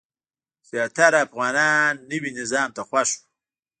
زیاتره افغانان نوي نظام ته خوښ وو.